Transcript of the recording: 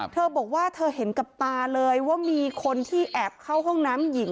เธอบอกว่าเธอเห็นกับตาเลยว่ามีคนที่แอบเข้าห้องน้ำหญิง